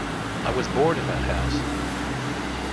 I was born in that house.